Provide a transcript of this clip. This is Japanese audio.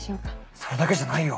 それだけじゃないよ。